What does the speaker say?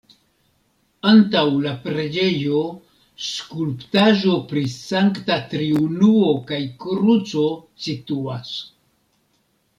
Antaŭ la preĝejo skulptaĵo pri Sankta Triunuo kaj kruco situas.